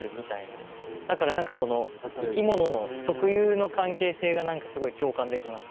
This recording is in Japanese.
だから何かこの生き物の特有の関係性がすごい共感できました。